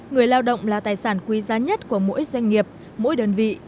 người lao động là tài sản quý giá nhất của mỗi doanh nghiệp mỗi đơn vị